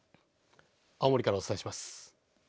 青森からお伝えします。